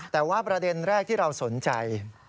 แต่ว่าประเด็นแรกที่เราสนใจ